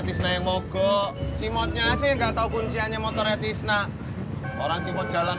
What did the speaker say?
tisna yang mogok cimutnya aja nggak tahu kunciannya motornya tisna orang cimut jalan